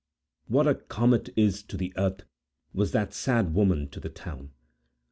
What a comet is to the earth, was that sad woman to the town.